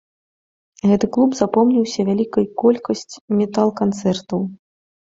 Гэты клуб запомніўся вялікай колькасць метал-канцэртаў.